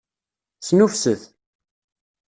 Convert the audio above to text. Snuffset!